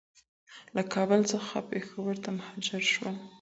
له کابل څخه پېښور ته مهاجر شول.